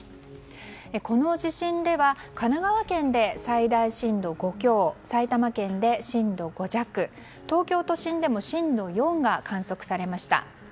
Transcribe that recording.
この地震では神奈川県で最大震度５強埼玉県で震度５弱東京都心でも震度４が観測されました。